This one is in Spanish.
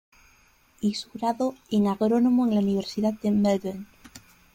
Y su grado en agrónomo en la Universidad de Melbourne.